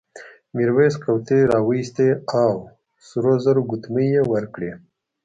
میرويس قوطۍ راوایستې او سرو زرو ګوتمۍ یې ورکړې.